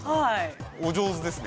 お上手ですね。